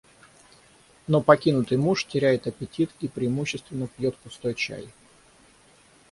Но покинутый муж теряет аппетит и преимущественно пьёт пустой чай.